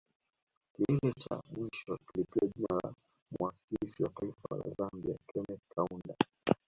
Kilele cha mwisho kilipewa jina la Muasisi wa Taifa la Zambia Kenneth Kaunda